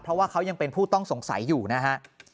เพราะว่าเขายังเป็นผู้ต้องสงสัยอยู่นะฮะ